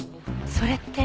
それって。